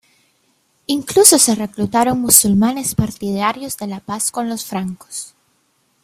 Incluso se reclutaron musulmanes partidarios de la paz con los francos.